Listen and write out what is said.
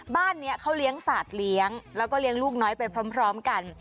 บ้านนี้เขาเลี้ยงสัตว์เลี้ยงแล้วก็เลี้ยงลูกน้อยไปพร้อมกัน